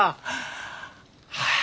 はあ。